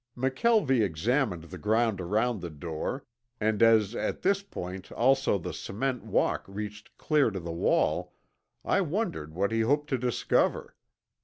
McKelvie examined the ground around the door and as at this point also the cement walk reached clear to the wall, I wondered what he hoped to discover.